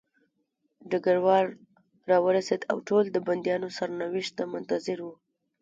ډګروال راورسېد او ټول د بندیانو سرنوشت ته منتظر وو